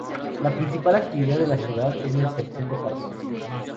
La principal actividad de la ciudad es la extracción de carbón.